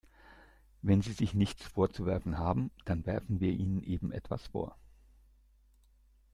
Wenn Sie sich nichts vorzuwerfen haben, dann werfen wir Ihnen eben etwas vor.